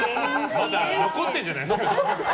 まだ残ってるんじゃないですか。